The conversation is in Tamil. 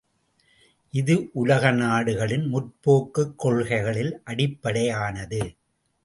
இது உலக நாடுகளின் முற்போக்குக் கொள்கைகளில் அடிப்படையானது.